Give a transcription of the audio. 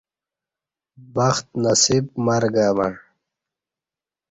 بخت نصیب مرگہ مع